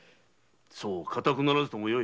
そう固くならずともよい。